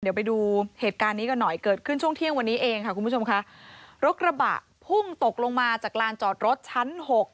เดี๋ยวไปดูเหตุการณ์นี้กันหน่อยเกิดขึ้นช่วงเที่ยงวันนี้เองค่ะคุณผู้ชมค่ะรถกระบะพุ่งตกลงมาจากลานจอดรถชั้นหก